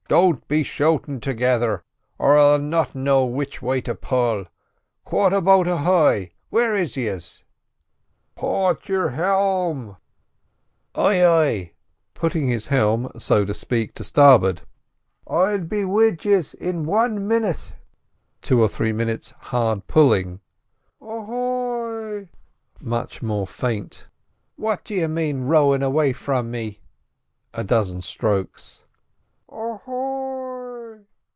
"Ahoy!" "Ahoy!" "Don't be shoutin' together, or I'll not know which way to pull. Quarter boat ahoy! where are yiz?" "Port your helm!" "Ay, ay!"—putting his helm, so to speak, to starboard—"I'll be wid yiz in wan minute—two or three minutes' hard pulling." "Ahoy!"—much more faint. "What d'ye mane rowin' away from me?"—a dozen strokes.